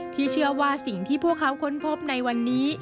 ที่เชื่อว่าสิ่งที่พวกเขาค้นพบในวันนี้